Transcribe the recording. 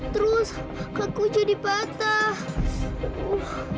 terus kaku jadi patah